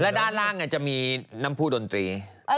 แล้วด้านล่างจะมีน้ำผู้ดนตรี